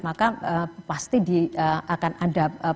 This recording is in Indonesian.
maka pasti akan ada